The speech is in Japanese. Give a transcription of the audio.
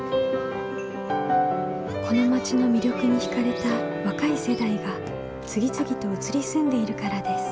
この町の魅力に惹かれた若い世代が次々と移り住んでいるからです。